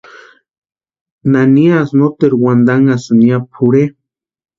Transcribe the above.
¿Naniasï noteru wantanhasïni ya pʼorhe?